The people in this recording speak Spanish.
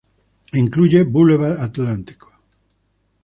Incluye Boulevard Atlántico.